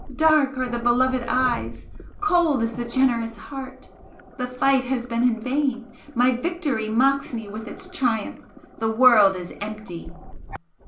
Dark are the beloved eyes! cold is the generous heart! the fight has been in vain my victory mocks me with its triumph! The world is empty!"